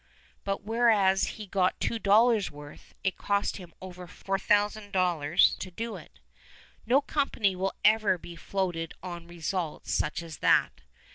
But whereas he got two dollars' worth, it cost him over 4000 dollars to do it. No company will ever be floated on results such as that.